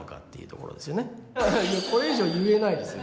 これ以上は言えないですよ。